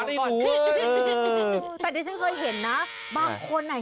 นี่โหใบตัลกิ้วครับแก่แล้ว